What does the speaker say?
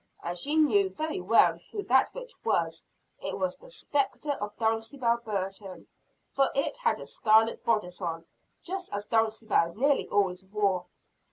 And she knew very well who that witch was. It was the "spectre" of Dulcibel Burton for it had a scarlet bodice on, just such as Dulcibel nearly always wore.